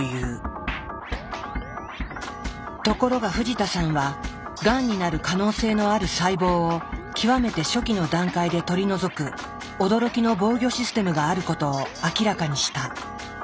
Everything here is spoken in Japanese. ところが藤田さんはがんになる可能性のある細胞を極めて初期の段階で取り除く驚きの防御システムがあることを明らかにした。